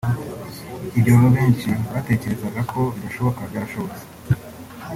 Ibyo benshi batecyerezaga ko bidashoboka byarashobotse